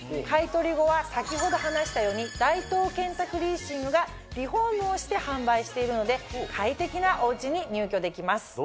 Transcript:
買い取り後は先ほど話したように大東建託リーシングがリフォームをして販売しているので快適なお家に入居できます。